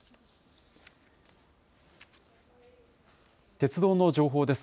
鉄道の情報です。